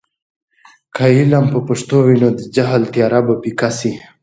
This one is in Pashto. که علم په پښتو وي، نو د جهل تیاره به پیکه سي.